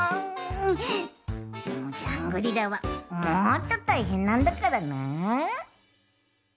でもジャングリラはもっとたいへんなんだからな。